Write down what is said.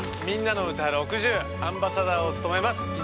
「みんなのうた６０」アンバサダーを務めます